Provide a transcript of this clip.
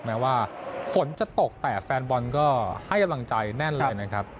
แม้ว่าฝนจะตกแต่แฟนบอลก็ให้กำลังใจแน่นเลยนะครับ